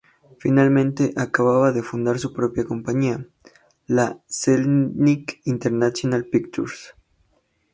Finalmente acababa de fundar su propia compañía, la Selznick International Pictures.